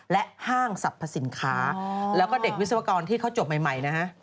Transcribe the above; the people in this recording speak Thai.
และห้างสรรพสินค้าแล้วก็เด็กวิศวกรที่เขาจบใหม่นะฮะ